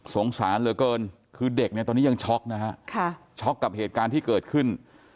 สารเหลือเกินคือเด็กเนี่ยตอนนี้ยังช็อกนะฮะช็อกกับเหตุการณ์ที่เกิดขึ้น